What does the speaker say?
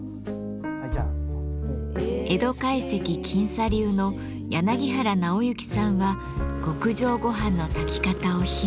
江戸懐石近茶流の柳原尚之さんは極上ごはんの炊き方を披露。